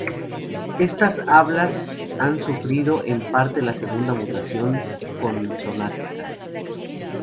Estas hablas han sufrido en parte la segunda mutación consonántica.